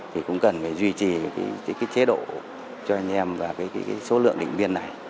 thì cũng cần phải duy trì chế độ cho anh em và cái số lượng định viên này